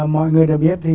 mọi người đã biết thì